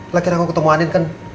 lagi lagi ketemu andin kan